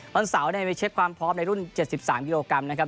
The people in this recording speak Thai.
วันเสาร์ไปเช็คความพร้อมในรุ่น๗๓กิโลกรัมนะครับ